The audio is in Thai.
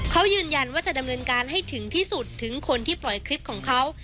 เขายืนยันว่าจะดำเนินการให้ถึงที่สุดถึงคนที่ปล่อยคลิปของเขา